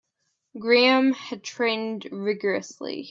Graham had trained rigourously.